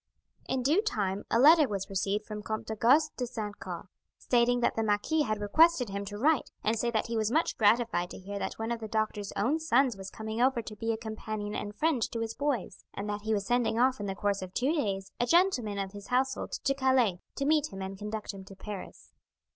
In due time a letter was received from Count Auguste de St. Caux, stating that the marquis had requested him to write and say that he was much gratified to hear that one of the doctor's own sons was coming over to be a companion and friend to his boys, and that he was sending off in the course of two days a gentleman of his household to Calais to meet him and conduct him to Paris.